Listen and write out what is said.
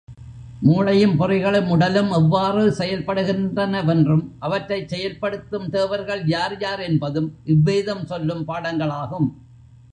மூளையும் பொறிகளும் உடலும் எவ்வாறு செயல்படுகின்றனவென்றும் அவற்றைச் செயல்படுத்தும் தேவர்கள் யார் யார் என்பதும் இவ்வேதம் சொல்லும் பாடங்களாகும்.